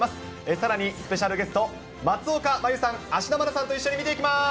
さらに、スペシャルゲスト、松岡茉優さん、芦田愛菜さんと一緒に見ていきます。